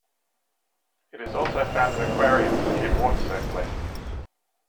It is also found in aquariums to keep water circulating.